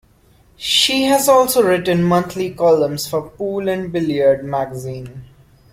She has also written monthly columns for "Pool and Billiard" magazine.